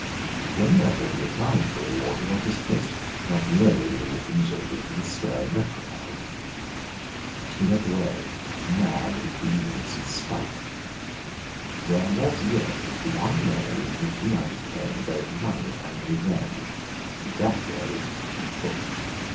When therefore he applied for reward, he was dismissed, not merely with a refusal, but with a stern reprimand. He went away mad with greediness and spite. There was yet one way in which he might obtain both money and revenge; and that way he took.